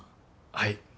はい。